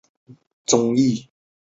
函数依赖是多值依赖的特例。